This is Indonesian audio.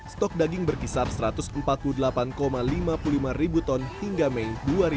stok daging berkisar satu ratus empat puluh delapan lima puluh lima ribu ton hingga mei dua ribu dua puluh